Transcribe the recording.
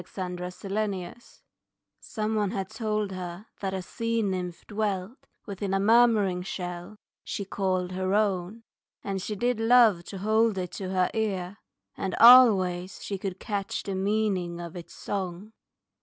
Her Lesson Someone had told her that a sea nymph dwelt Within a murmuring shell, she called her own, And she did love to hold it to her ear, And always she could catch the meaning of Its song.